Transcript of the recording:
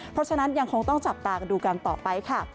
เพราะฉะนั้นยังคงต้องจับตากันดูกันต่อไปค่ะ